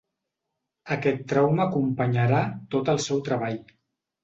Aquest trauma acompanyarà tot el seu treball.